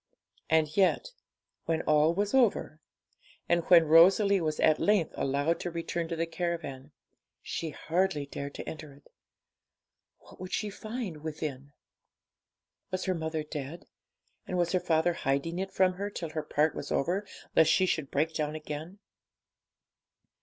And yet, when all was over, and when Rosalie was at length allowed to return to the caravan, she hardly dared to enter it. What would she find within? Was her mother dead, and was her father hiding it from her till her part was over, lest she should break down again?